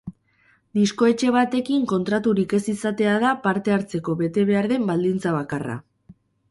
Diskoetxe batekin kontraturik ez izatea da parte hartzeko bete behar den baldintza bakarra.